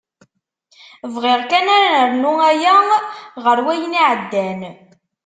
Bɣiɣ kan ad nernu aya ɣer wayen iεeddan.